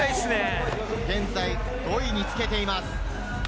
現在５位につけています。